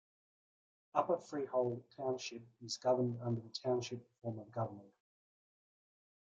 Upper Freehold Township is governed under the Township form of government.